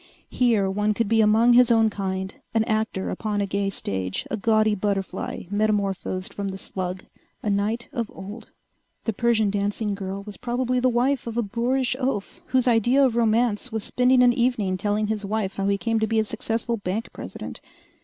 Here one could be among his own kind, an actor upon a gay stage, a gaudy butterfly metamorphosed from the slug, a knight of old. The Persian dancing girl was probably the wife of a boorish oaf whose idea of romance was spending an evening telling his wife how he came to be a successful bank president.